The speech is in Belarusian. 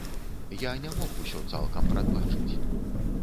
Я не мог усё цалкам прадбачыць.